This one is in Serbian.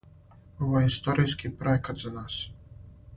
Ово је историјски пројекат за нас...